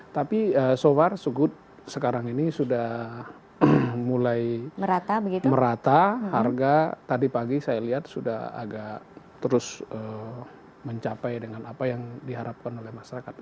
tapi so far so good sekarang ini sudah mulai merata harga tadi pagi saya lihat sudah agak terus mencapai dengan apa yang diharapkan oleh masyarakat